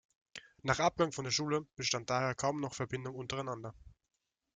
Nach Abgang von der Schule bestand daher kaum noch Verbindung untereinander.